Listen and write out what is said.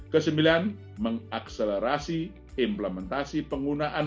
kesembilan mengakselerasi implementasi penggunaan